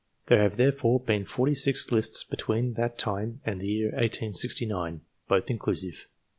There have, therefore, been forty six lists between that time and the year 1869, both inclusive.